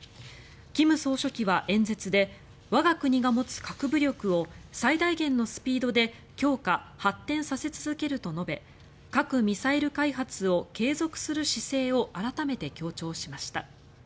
金総書記は演説で我が国が持つ核武力を最大限のスピードで強化・発展させ続けると述べ核・ミサイル開発を継続する姿勢を改めて強調しました。